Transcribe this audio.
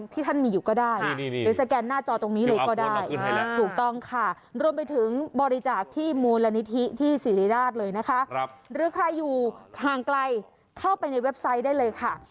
ทางไกลเข้าไปในเว็บไซต์ได้เลยค่ะ